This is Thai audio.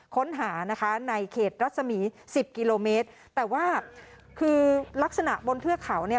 ค้นหานะคะในเขตรัศมีสิบกิโลเมตรแต่ว่าคือลักษณะบนเทือกเขาเนี่ย